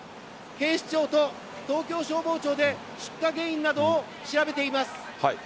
警視庁と東京消防庁で出火原因などを調べています。